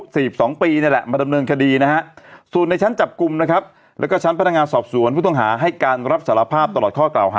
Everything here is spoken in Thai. เจ้าแม่ตะเคียนยังไม่ขาดทราย